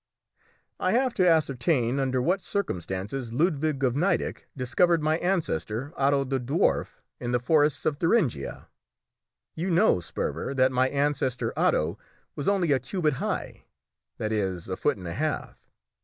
"I have to ascertain under what circumstances Ludwig of Nideck discovered my ancestor, Otto the Dwarf, in the forests of Thuringia. You know, Sperver, that my ancestor Otto was only a cubit high that is, a foot and a half.